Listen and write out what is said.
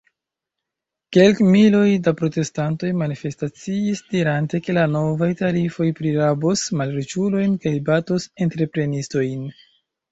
Kelkmiloj da protestantoj manifestaciis, dirante, ke la novaj tarifoj prirabos malriĉulojn kaj batos entreprenistojn.